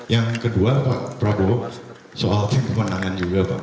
yang kedua pak prabowo soal tim kemenangan juga pak